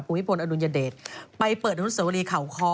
ภูมิพลอดุลยเดชไปเปิดอนุสวรีเขาคอ